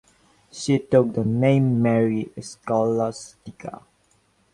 She took the name Mary Scholastica.